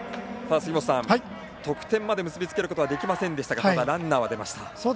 杉本さん、得点まで結びつけることはできませんがただ、ランナーは出ました。